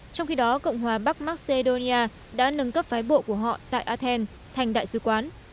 trong khi đó cộng hòa bắc macedonia đã nâng cấp phái bộ của họ tại athens thành đại sứ quán